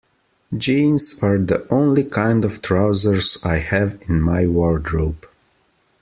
Jeans are the only kind of trousers I have in my wardrobe.